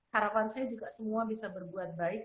harapan saya juga semua bisa berbuat baik